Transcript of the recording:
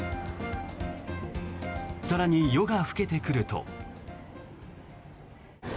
更に、夜が更けてくると。